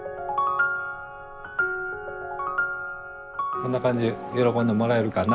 こんな感じで喜んでもらえるかな